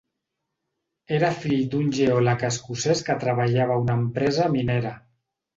Era fill d'un geòleg escocès que treballava a una empresa minera.